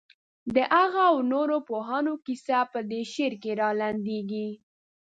د هغه او نورو پوهانو کیسه په دې شعر کې رالنډېږي.